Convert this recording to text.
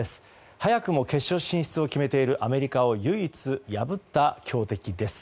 早くも決勝進出を決めているアメリカを唯一破った強敵です。